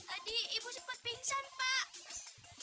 tadi ibu sempat pingsan pak